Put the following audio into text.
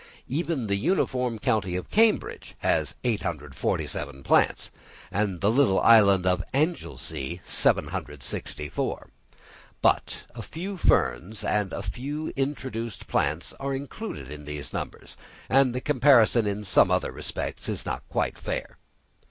Even the uniform county of Cambridge has 847 plants, and the little island of Anglesea 764, but a few ferns and a few introduced plants are included in these numbers, and the comparison in some other respects is not quite fair.